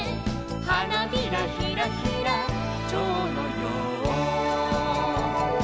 「はなびらひらひらちょうのよう」